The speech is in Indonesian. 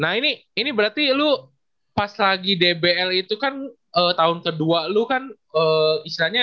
nah ini ini berarti lu pas lagi dbl itu kan tahun ke dua lu kan istilahnya